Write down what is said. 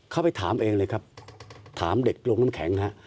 ไปถามเองเลยครับถามเด็กโรงน้ำแข็งฮะ